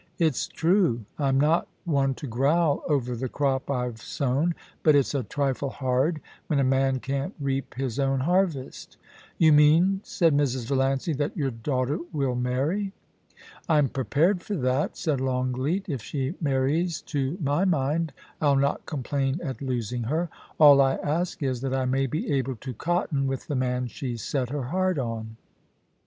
* It's true. I'm not one to growl over the crop I've sown, but it's a trifle hard when a man can't reap his own harvest* *You mean,' said Mrs. Valiancy, *that your daughter will marry ?Pm prepared for that,' said Longleat * If she marries to my mind, I'll not complain at losing her. All I ask is that I may be able to cotton with the man she's set her heart on.